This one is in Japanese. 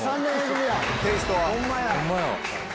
テイストは。